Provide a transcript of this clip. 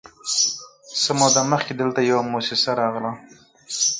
_څه موده مخکې دلته يوه موسسه راغله،